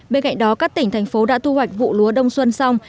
bên cạnh đó các tỉnh thành phố đã thu hoạch vụ lúa đông xuân xong